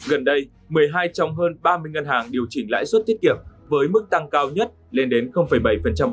gần đây một mươi hai trong hơn ba mươi ngân hàng điều chỉnh lãi suất tiết kiệm với mức tăng cao nhất lên đến bảy